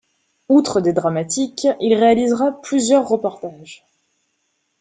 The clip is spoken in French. Outre des dramatiques, ils réalisera plusieurs reportages.